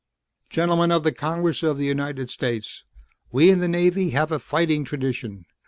"Gentlemen of the Congress of the United States. We in the Navy have a fighting tradition.